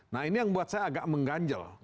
nah ini yang buat saya agak mengganjal